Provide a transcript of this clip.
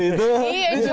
bisa jadi pemain